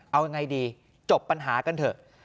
เอายังไงดีจบปัญหากันเถอะ